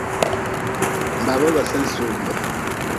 Baaba ba sen sumbe.